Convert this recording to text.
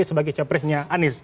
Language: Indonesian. sebagai caprihnya anies